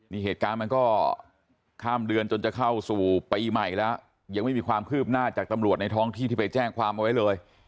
นี่เหตุการณ์มันก็ข้ามเดือนจนจะเข้าสู่ปีใหม่แล้วยังไม่มีความคืบหน้าจากตำรวจในท้องที่ที่ไปแจ้งความเอาไว้เลย